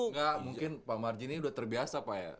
enggak mungkin pak marji ini sudah terbiasa pak ya